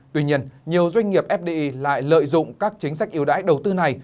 tuy nhiên nhiều doanh nghiệp fdi lại lợi dụng các chính sách ưu đãi đầu tư này